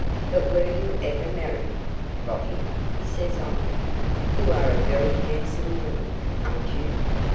'But WERE you ever married, Peggotty?' says I. 'You are a very handsome woman, an't you?